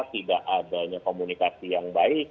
tidak adanya komunikasi yang baik